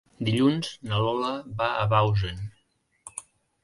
Dilluns na Lola va a Bausen.